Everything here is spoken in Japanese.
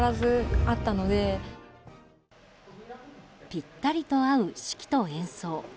ぴったりと合う指揮と演奏。